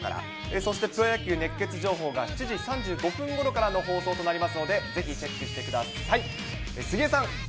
そして、プロ野球熱ケツ情報が７時３５分ごろからの放送となりますので、ぜひチェックしてください。